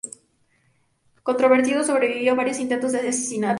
Controvertido, sobrevivió a varios intentos de asesinato.